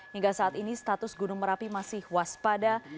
hingga saat ini status gunung merapi masih waspada